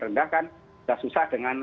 rendah kan sudah susah dengan